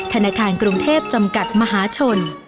ธนาคารกรุงเทพจำกัดมหาชน